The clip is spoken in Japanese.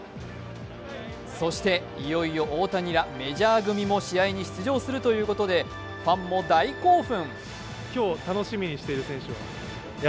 そして、いよいよ大谷らメジャー組も試合に出場するということでファンも大興奮。